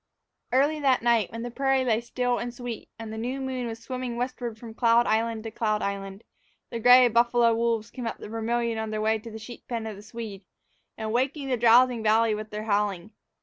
EARLY that night, when the prairie lay still and sweet, and the new moon was swimming westward from cloud island to cloud island, the gray buffalo wolves came up the Vermillion on their way to the sheep pen of the Swede, and waked the drowsing valley with their howling.